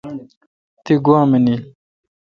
تی گوا منیل